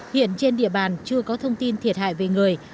hiện trên địa bàn chưa có thông tin thiệt hại về người